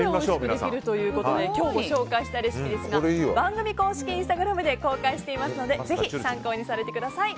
今日ご紹介したレシピは番組公式インスタグラムで公開していますのでぜひ参考にされてください。